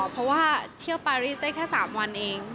เพราะว่าเที่ยวปารีสได้แค่๓วันเอง